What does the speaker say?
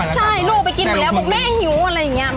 ใช่ลูกไปกินหมดแล้วบอกแม่หิวอะไรอย่างนี้